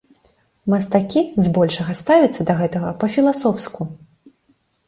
Мастакі, збольшага, ставіцца да гэтага па-філасофску.